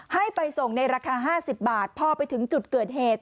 ให้ไปส่งในราคา๕๐บาทพอไปถึงจุดเกิดเหตุ